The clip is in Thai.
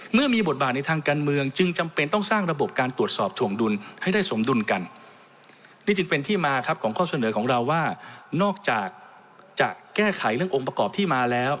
เมื่อมีบทบาทในทางการเมืองจึงจำเป็นต้องสร้างระบบการตรวจสอบถวงดุลให้ได้สมดุลกันนี่จึงเป็นที่มาครับของข้อเสนอของเราว่านอกจากจะแก้ไขเรื่ององค์ประกอบที่มาแล้ว